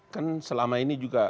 kan selama ini juga